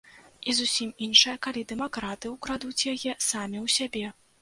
І зусім іншая, калі дэмакраты ўкрадуць яе самі ў сябе.